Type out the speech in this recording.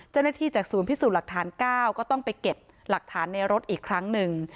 จากศูนย์พิสูจน์หลักฐาน๙ก็ต้องไปเก็บหลักฐานในรถอีกครั้งหนึ่ง